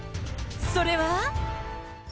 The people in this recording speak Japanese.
それは？